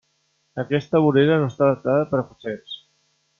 Aquesta vorera no està adaptada per a cotxets.